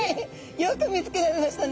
よく見つけられましたね。